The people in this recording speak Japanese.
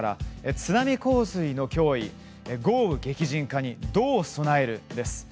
「“津波洪水”の脅威豪雨激甚化にどう備える」です。